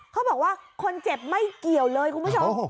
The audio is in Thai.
เขาบอกว่าคนเจ็บไม่เกี่ยวเลยคุณผู้ชม